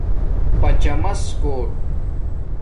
پچامس کوٹ